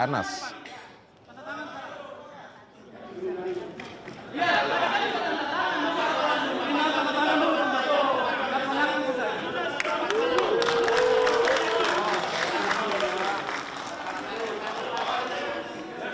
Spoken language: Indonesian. kakaknya sudah datang